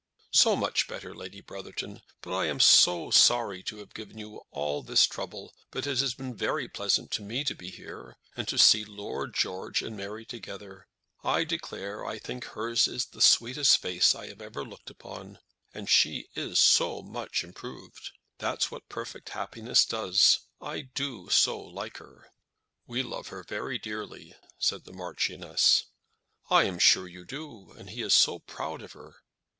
"So much better, Lady Brotherton! But I am so sorry to have given you all this trouble; but it has been very pleasant to me to be here, and to see Lord George and Mary together. I declare I think hers is the sweetest face I ever looked upon. And she is so much improved. That's what perfect happiness does. I do so like her." "We love her very dearly," said the Marchioness. "I am sure you do. And he is so proud of her!"